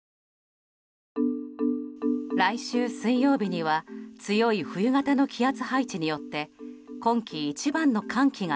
来週水曜日には強い冬型の気圧配置によって今季一番の寒気が